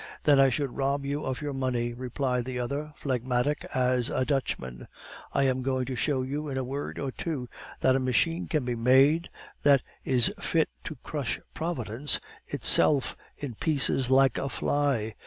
"Then I should rob you of your money," replied the other, phlegmatic as a Dutchman. "I am going to show you, in a word or two, that a machine can be made that is fit to crush Providence itself in pieces like a fly.